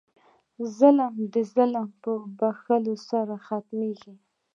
ظلم د ظلم په بښلو سره ختمېږي.